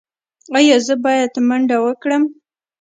ایا زه باید منډه وکړم؟